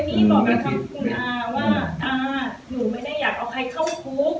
หนูไม่ได้อยากเอาใครเข้าคุก